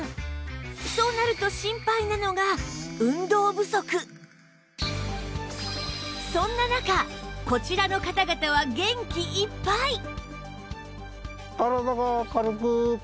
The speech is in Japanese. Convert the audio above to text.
そうなると心配なのがそんな中こちらの方々は元気いっぱい！